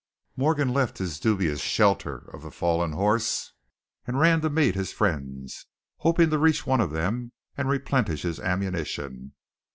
Morgan left his dubious shelter of the fallen horse and ran to meet his friends, hoping to reach one of them and replenish his ammunition.